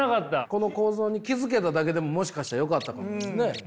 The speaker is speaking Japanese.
この構造に気付けただけでももしかしたらよかったかもですね。